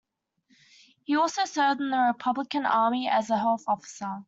He also served in the Republican Army as a health officer.